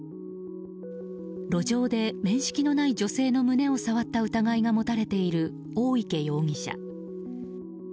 路上で面識のない女性の胸を触った疑いが持たれている大池容疑者。